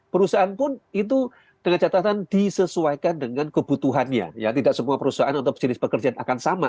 perusahaan pun itu dengan catatan disesuaikan dengan kebutuhannya ya tidak semua perusahaan atau jenis pekerjaan akan sama